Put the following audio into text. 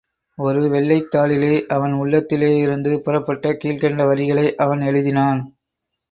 ஒரு வெள்ளைத் தாளிலே, அவன் உள்ளத்திலேயிருந்து புறப்பட்ட கீழ்க்கண்ட வரிகளை அவன் எழுதினான்.